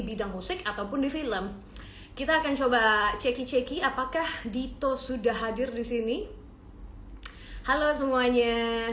bidang musik ataupun di film kita akan coba ceki ceki apakah dito sudah hadir di sini halo semuanya